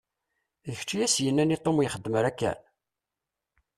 D kečč i as-yennan i Tom ur ixeddem ara akken?